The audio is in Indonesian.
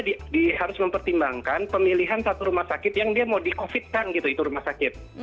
dia harus mempertimbangkan pemilihan satu rumah sakit yang dia mau di covid kan gitu itu rumah sakit